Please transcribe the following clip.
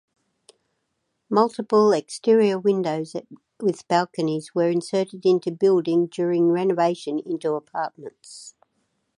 Multiple exterior windows with balconies were inserted into building during renovation into apartments.